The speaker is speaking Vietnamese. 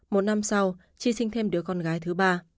một năm sau chi sinh thêm đứa con gái thứ ba